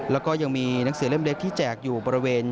แล้วก็ยังมีหนังสือเล่มเล็กที่แจกอยู่บริเวณ